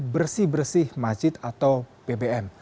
bersih bersih masjid atau bbm